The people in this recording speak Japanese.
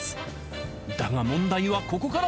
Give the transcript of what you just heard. だが問題はここから。